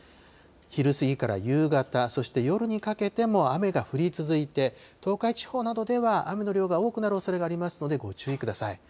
昼過ぎから夕方、そして夜にかけても雨が降り続いて、東海地方などでは雨の量が多くなるおそれがありますので、ご注意ください。